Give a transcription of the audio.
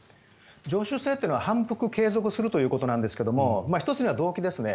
常習性というのは反復・継続するということなんですが１つには動機ですね。